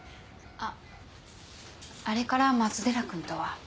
あれから松寺君とは？